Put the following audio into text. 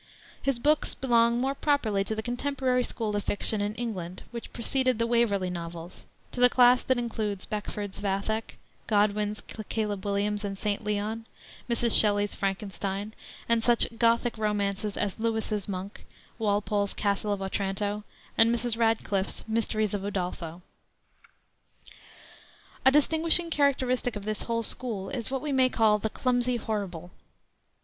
His books belong more properly to the contemporary school of fiction in England which preceded the "Waverley Novels" to the class that includes Beckford's Vathek, Godwin's Caleb Williams and St. Leon, Mrs. Shelley's Frankenstein, and such "Gothic" romances as Lewis's Monk, Walpole's Castle of Otranto, and Mrs. Radcliffe's Mysteries of Udolpho. A distinguishing characteristic of this whole school is what we may call the clumsy horrible.